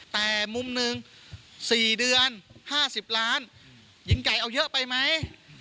แต่มุมหนึ่ง๔เดือน๕๐ล้านหญิงไก่เอาเยอะไปไหม